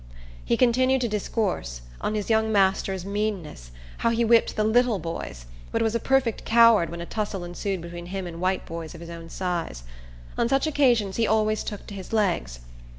He continued to discourse, on his young master's meanness; how he whipped the little boys, but was a perfect coward when a tussle ensued between him and white boys of his own size. On such occasions he always took to his legs.